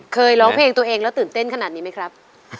เคยร้องเพลงตัวเองแล้วตื่นเต้นขนาดนี้ไหมครับ